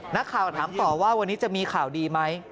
นักข่าวถามต่อว่าวันนี้จะมีข่าวดีไหม